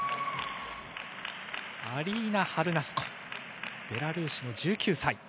アリーナ・ハルナスコ、ベラルーシの１９歳。